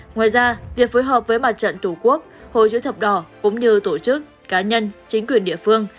ngoài ra việc phối hợp với mặt trận tổ quốc hội chữ thập đỏ cũng như tổ chức cá nhân chính quyền địa phương